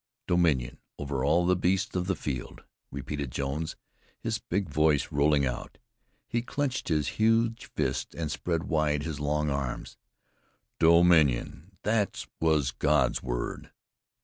"Dominion over all the beasts of the field!" repeated Jones, his big voice rolling out. He clenched his huge fists, and spread wide his long arms. "Dominion! That was God's word!"